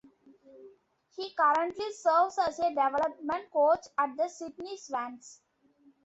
He currently serves as a development coach at the Sydney Swans.